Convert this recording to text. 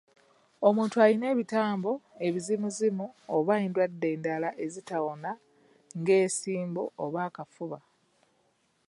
Omuntu alina ebitambo, ebizimuzimu oba endwadde endala ezitawona ng’ensimbu oba akafuba.